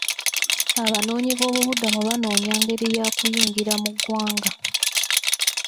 Abanoonyi b'obubudamu banoonya ngeri ya kuyingira mu ggwanga.